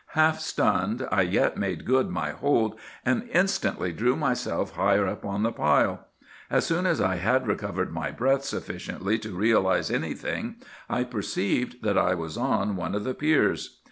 Half stunned, I yet made good my hold, and instantly drew myself higher up on the pile. As soon as I had recovered my breath sufficiently to realize anything, I perceived that I was on one of the piers.